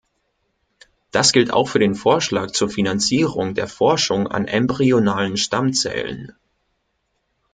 Das gilt auch für den Vorschlag zur Finanzierung der Forschung an embryonalen Stammzellen.